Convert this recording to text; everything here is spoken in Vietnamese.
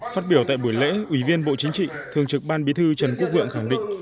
phát biểu tại buổi lễ ủy viên bộ chính trị thường trực ban bí thư trần quốc vượng khẳng định